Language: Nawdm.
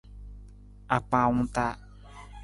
Akpaawung taa.